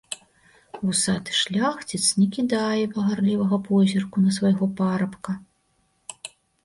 Вусаты шляхціц не кідае пагардлівага позірку на свайго парабка.